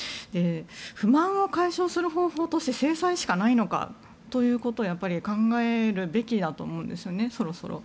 不満を解消する方法として制裁しかないのかということを考えるべきだと思うんですそろそろ。